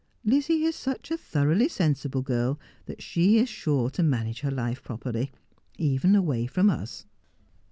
Lizzie is sucu a thoroughly sensible girl that she is sure to manage her life properly, even away from us.'